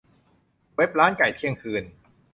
เว็บร้านไก่เที่ยงคืน